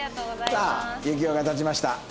さあ行雄が立ちました。